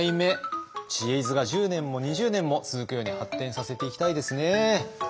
「知恵泉」が１０年も２０年も続くように発展させていきたいですね。